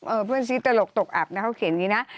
เพื่อนซีตลกตกอับนะเขาเขียนอย่างนี้นะ